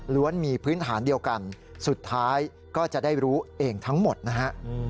มีพื้นฐานเดียวกันสุดท้ายก็จะได้รู้เองทั้งหมดนะฮะ